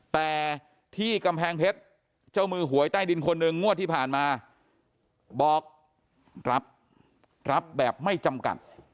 แต่ที่กำแพงเพชรเจ้ามือหวยใต้ดินคนหนึ่งงวดที่ผ่านมาบอกรับรับแบบไม่จำกัด